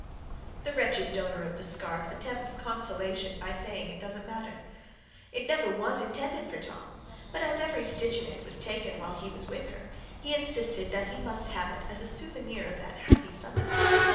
The wretched donor of the scarf attempts consolation by saying that it doesn't matter. It never was intended for Tom, but as every stitch in it was taken while he was with her, he insisted that he must have it as a souvenir of that happy summer.